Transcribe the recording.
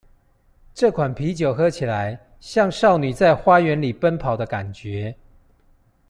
這款啤酒喝起來，像少女在花園裡奔跑的感覺